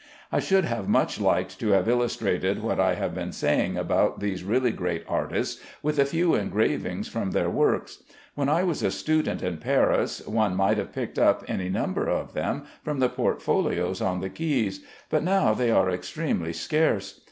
I should have much liked to have illustrated what I have been saying about these really great artists with a few engravings from their works. When I was a student in Paris one might have picked up any number of them from the portfolios on the quays, but now they are extremely scarce.